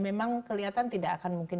memang kelihatan tidak akan mungkin